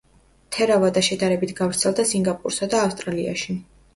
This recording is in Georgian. თერავადა შედარებით გავრცელდა სინგაპურსა და ავსტრალიაში.